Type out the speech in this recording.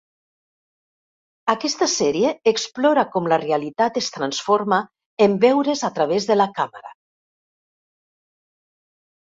Aquesta sèrie explora com la realitat es transforma en veure's a través de la càmera.